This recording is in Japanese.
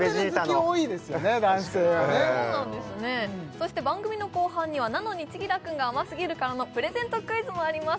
そして番組の後半には「なのに、千輝くんが甘すぎる。」からのプレゼントクイズもあります